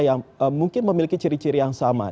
yang mungkin memiliki ciri ciri yang sama